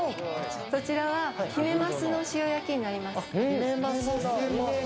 そちらはヒメマスの塩焼きになります。